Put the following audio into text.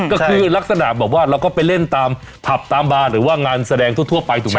ก็คือลักษณะแบบว่าเราก็ไปเล่นตามผับตามบาร์หรือว่างานแสดงทั่วไปถูกไหม